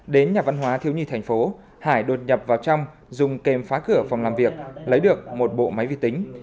đến nhà văn hóa thiếu nhi thành phố hải đột nhập vào trong dùng kềm phá cửa phòng làm việc lấy được một bộ máy vi tính